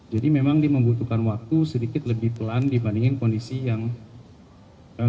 jadi memang dia membutuhkan waktu sedikit lebih pelan dibandingkan kondisi yang